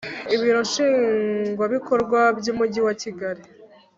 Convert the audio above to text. Ibiro nshingwabikorwa bw umujyi wa kigali